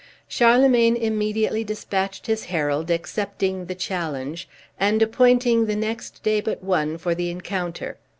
Charlemagne immediately despatched his herald, accepting the challenge, and appointing the next day but one for the encounter.